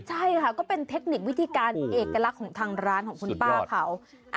ใช่ค่ะก็เป็นเทคนิควิธีการเอกลักษณ์ของทางร้านของคุณป้าเขา